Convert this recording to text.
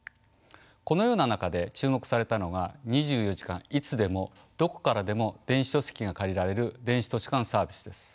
このような中で注目されたのが２４時間いつでもどこからでも電子書籍が借りられる電子図書館サービスです。